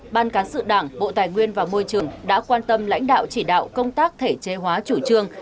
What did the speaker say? ban cán sự đảng bộ tài nguyên và môi trường đã quan tâm lãnh đạo chỉ đạo công tác thể chế hóa chủ trương